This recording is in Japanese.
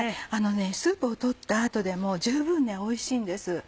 スープを取った後でも十分おいしいんです。